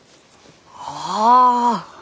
ああ！